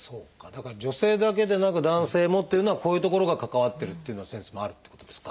だから女性だけでなく男性もっていうのはこういうところが関わってるっていうのはあるっていうことですか？